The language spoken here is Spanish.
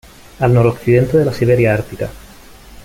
Al noroccidente de la Siberia ártica.